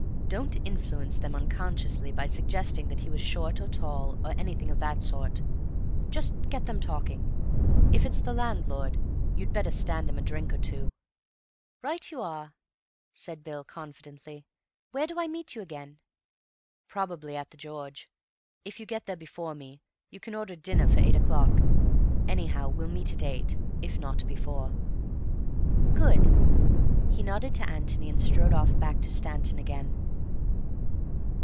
Don't influence them unconsciously by suggesting that he was short or tall, or anything of that sort. Just get them talking. If it's the landlord, you'd better stand him a drink or two." "Right you are," said Bill confidently. "Where do I meet you again?" "Probably at 'The George.' If you get there before me, you can order dinner for eight o'clock. Anyhow we'll meet at eight, if not before." "Good." He nodded to Antony and strode off back to Stanton again.